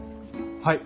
はい。